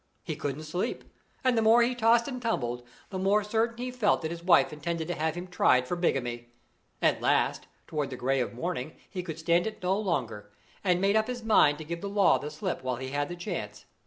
He couldn't sleep; and the more he tossed and tumbled, the more certain he felt that his wife intended to have him tried for bigamy. At last, toward the gray of the morning, he could stand it no longer, and he made up his mind to give the law the slip while he had the chance.